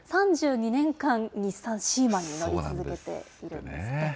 ３２年間、日産シーマに乗り続けているんですって。